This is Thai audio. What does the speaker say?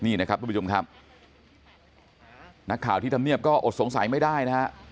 นี่นะครับทุกผู้ชมครับนักข่าวที่ทำเนียบก็อดสงสัยไม่ได้นะฮะ